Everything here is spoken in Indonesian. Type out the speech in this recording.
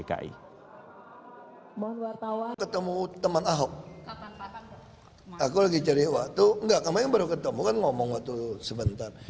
masa itu dipercaya waktu enggak kami yang baru ketemu kan ngomong waktu sebentar